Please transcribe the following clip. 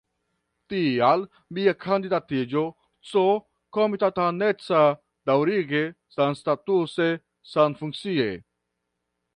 Tial mia kandidatiĝo C-komitataneca, daŭrige, samstatuse, samfunkcie.